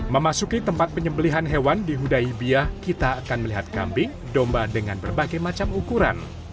memasuki tempat penyembelihan hewan di hudai bia kita akan melihat kambing domba dengan berbagai macam ukuran